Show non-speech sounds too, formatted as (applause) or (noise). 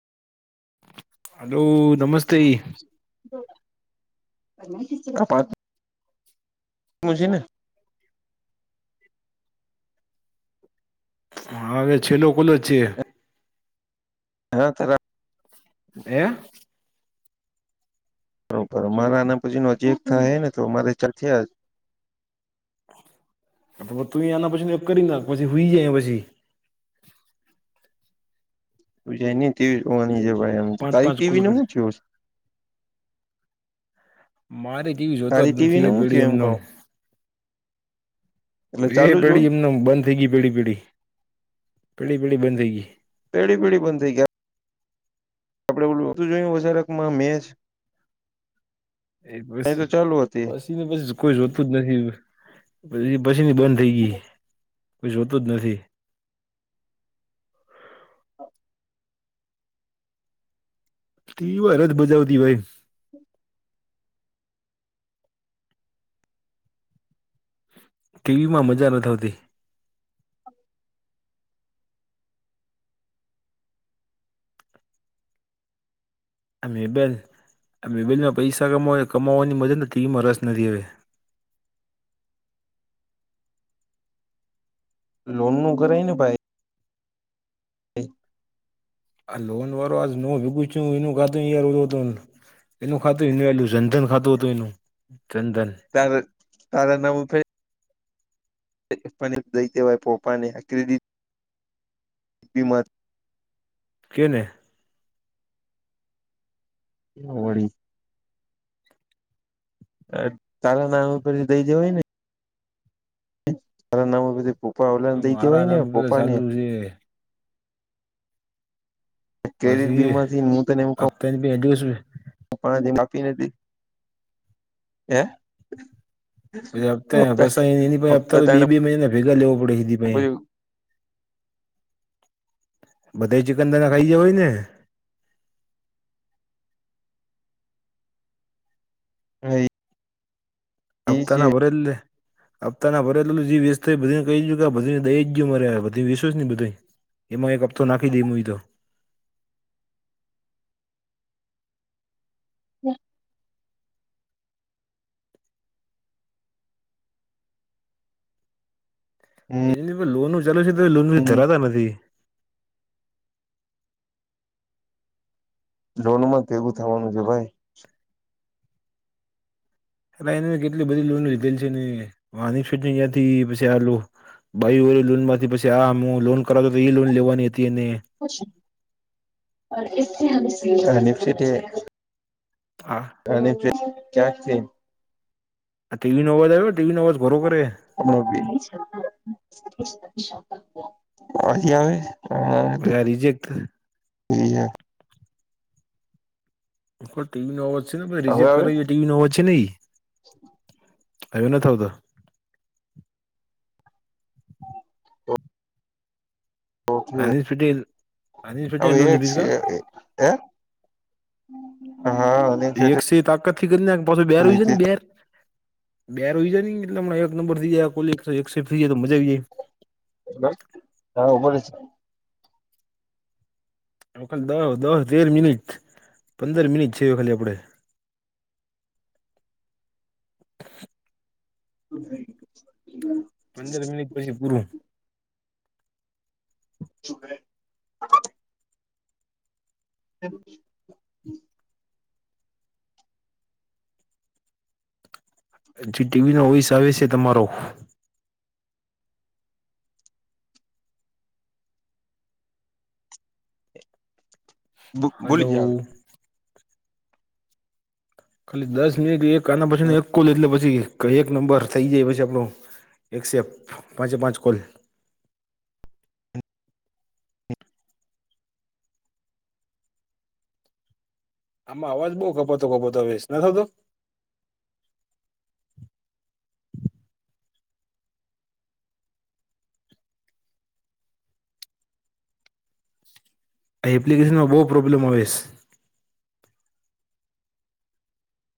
Hello નમસ્તે. (unintelligible) મું છે ને? હા હવે છેલ્લો કોલ જ છે. (inaudible) હે? તો અમાર આને પછી નજીક થાહે ને તો અમારે જલસા જ હા તો તું એ એના પછી ને એક કરી નાખ પછી હુંય જાયે પછી. હુઈ જાયને ટીવી જોવાની છે ભાઈ. એમ તો પાંચ તારી પાંચ કોલ ટીવીને કર હું થયું હશે? મારે ટીવી જોતા તારી જ ટીવી નથી ને એ હું પડી થયું એમને એમ. કહું એટલે એે ચાલુ જ પડી હોય એમને એમ. બંધ થઈ ગઈ પડી પડી પળી પળી બંધ થઈ ગઈ. પળી પળી બંધ થઈ ગઈ આપડે ઓલું નતું જોયું ઓજારકમાં મેચ એ પસ તો ચાલુ હતી પછી ને પછી કોઈ જોતું જ નથી એ. પછી ઈ પછીની બંધ ગઈ. કોઈ જોતું જ નથી. ટીવી અરજ બજાવતી હોય. ટીવીમાં મજા નથી આવતી. આ મેબાઈલ આ મેબાઈલમાં પૈસા કમાવ કમાવવાની મજાને ટીવીમાં રસ નથી હવે. લોનનું કરાયને ભાઈ (inaudible) આ લોન વારુ આજ મોંઘું છું એનું ખાતું યાર એવું હતું ને એનું ખાતું એનું એલું જનધન ખાતું હતું એનું જનધન. તાર તારા નામ ઉપ ફરી દઈ દેવાય પોપાને (unintelligible) કેને? હા વળી અ તારા નામ ઉપરથી દઈ દેવાય ને. તારા નામ ઉપરથી પપ્પા ઓલાને દઈ દેવાય ને પોપાને. જે ક્રેડિટ માસી બીમાથી આપતા ને બે દિવસ (unintelligible) કાપી નથી હૈ? પછી હપ્તા પસા એની પાહે હપ્તો હપ્તા તો બે ટાણે બે મહિનાના ભેગા લેવો પડે એની પાહે બધા ચિકન દાડા ખાઈ જવાય ને. હા એ છે હપ્તાના ભરે લે. હપ્તાના ભરે એટલું વ્યસ્ત બધને કહીયું કે બધ દ જ મરે બધી એ. એમાં એક હપ્તો નાખી દે મુુંઈ તો. જા. હમ એની લોનનું ચાલુ છે તોય લોનમાં ધરાતા નથી. લોનમાં તો એવું થવાનું છે ભાઈ. અલા એણે કેટલી બધી લોન લીધેલ છે વાટંથી પછી આ લો ભાઈ હો લોન માંથી પછી આ મુ લોન કરાવતો એ લોન લેવાની હતી એને અને નિશ્ચિતે એ હા. અને તે ક્યાંક છે? આ ટી વી નો અવાજ આવ્યો ટી વી નો અવાજ ઘરો કરે. હમણાં બી હજી આવે? આ રીજેક્ટ થાહે. હવે એફો ટી વી નો અવાજ છે ને રિઝેક્ટ આવે કરાવે ટી વી નો અવાજ છે ને ઈ. હવે નથ આવતો. ઓકે અને ફિટેલ. હવે એક છે હે હા અને જે તે કે કર નાખ પાછો બેરૂ છે ને બેર. બેરુ છે ની એટલે હમણાં એક નંબર થઈ જાય કોલ એકસો એક્સેપ્ટ થઈ જાય તો મજા આવી જાય. બક હા બોલે છે. લોકલ દહ દહ તેર મિનિટ પંદર મિનિટ છે ખાલી આપડે. (inaudible) પંદર મિનિટ પછી પુરુ. શું કેહ. (inaudible) જી ટી વી નો વઇસ આવે છે તમારો. હલો ભૂ-ભૂલી જાવે. ખાલી દસ મિનિટ એક આના પછી એક કોલ એટલે પછી એક નંબર થઈ જાય પછી આપડો એક્સેપ્ટ પાંચે એ પાંચ કોલ આમાં અવાજ બહુ કપાતો કપાતો આવે છે નથ આવતો? આ એપ્લિકેશનમાં બહુ પ્રોબ્લેમ આવે સ.